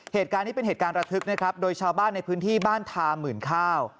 เหตุการณ์นี้เป็นเหตุการณ์ระทึกนะครับโดยชาวบ้านในพื้นที่บ้านทาหมื่นข้าว